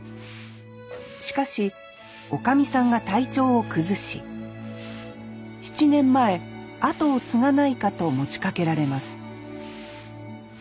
しかしおかみさんが体調を崩し７年前後を継がないかと持ちかけられます